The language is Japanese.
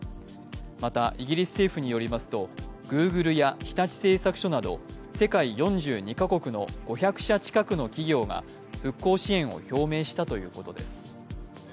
また、イギリス政府によりますとグーグルや日立製作所など世界４２か国の５００社近くの企業が復興支援を表明したということです。